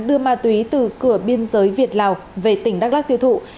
đưa ma túy từ cửa biên giới việt lào về tỉnh đắk lắc tiêu thụ